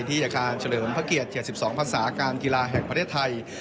ที่อาคารเฉลิมพระเกียรติ๗๒ภาษาการกีฬาแห่งประเทศไทย